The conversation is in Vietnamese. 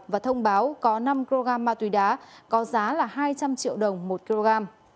và thông báo có năm kg ma túy đá có giá là hai trăm linh triệu đồng một kg